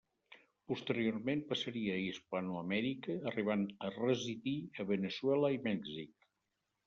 Posteriorment passaria a Hispanoamèrica, arribant a residir a Veneçuela i Mèxic.